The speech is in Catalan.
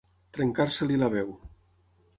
Trencar-se-li la veu.